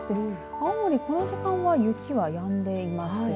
青森、この時間は雪はやんでいますね。